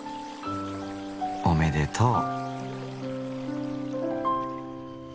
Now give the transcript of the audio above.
おめでとう。